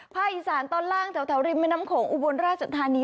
อีสานตอนล่างแถวริมแม่น้ำโขงอุบลราชธานี